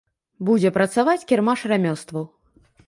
Будзе працаваць кірмаш рамёстваў.